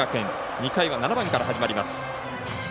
２回は７番から始まります。